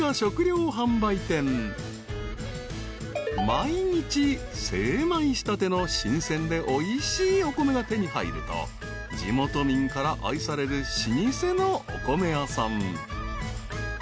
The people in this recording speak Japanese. ［毎日精米したての新鮮でおいしいお米が手に入ると地元民から愛される老舗のお米屋さん］